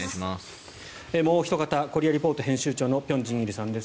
もうおひと方「コリア・レポート」編集長の辺真一さんです。